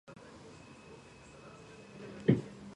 ესპანეთის სამოქალაქო ომში იბრძოდა რესპუბლიკელების მხარეზე.